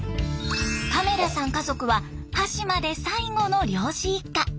亀田さん家族は端島で最後の漁師一家。